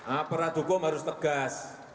aparat hukum harus tegas